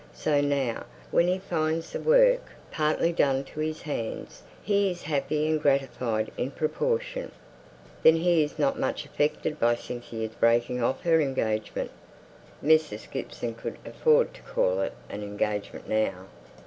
So now, when he finds the work partly done to his hands, he is happy and gratified in proportion." "Then he is not much affected by Cynthia's breaking off her engagement?" (Mrs. Gibson could afford to call it an "engagement" now.)